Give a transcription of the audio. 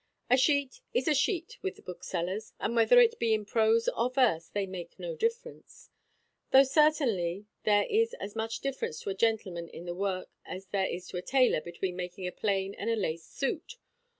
A sheet is a sheet with the booksellers; and, whether it be in prose or verse, they make no difference; though certainly there is as much difference to a gentleman in the work as there is to a taylor between making a plain and a laced suit.